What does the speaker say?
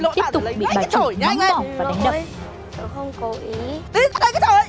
tiếp tục bị bà chủ mắng bỏ và đánh đập